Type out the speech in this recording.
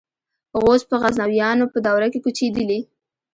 غوز په غزنویانو په دوره کې کوچېدلي.